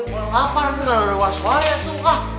neng gue lapar gue ga ada waspaya tuh ah